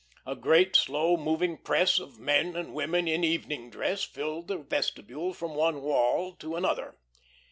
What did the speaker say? A great, slow moving press of men and women in evening dress filled the vestibule from one wall to another.